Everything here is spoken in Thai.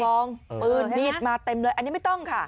ปืนมีดมาเต็มเลยอันนี้ไม่ต้องค่ะ